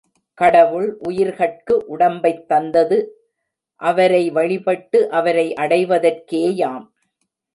கடவுள் உயிர்கட்கு உடம்பைத் தந்தது அவரை வழிபட்டு அவரை அடைவதற்கேயாம்.